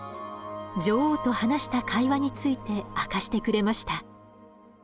女王と話した会話について明かしてくれました。